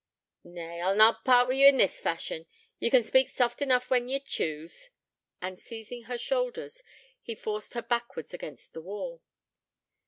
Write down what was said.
'Nay, I'll na part wi' ye this fashion. Ye can speak soft enough when ye choose.' And seizing her shoulders, he forced her backwards against the wall.